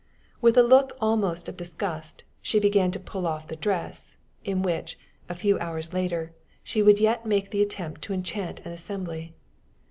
With a look almost of disgust, she began to pull off the dress, in which, a few hours later, she would yet make the attempt to enchant an assembly.